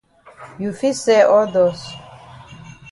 You fit sell all dust.